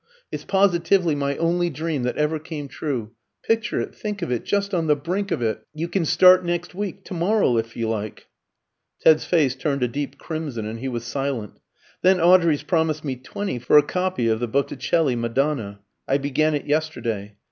"It's positively my only dream that ever came true. Picture it, think of it, just on the brink of it. You can start next week, to morrow if you like!" Ted's face turned a deep crimson, and he was silent. "Then Audrey's promised me twenty for a copy of the Botticelli Madonna; I began it yesterday.